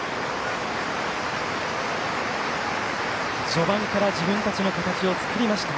序盤から自分たちの形を作りました。